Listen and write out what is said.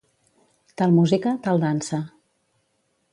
Tal música, tal dansa.